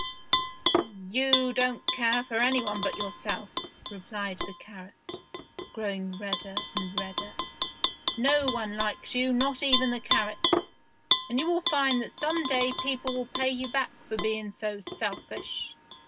"You don't care for any one but yourself," replied the carrot, growing redder and redder; "no one likes you, not even carrots, and you will find that some day people will pay you back for being so selfish.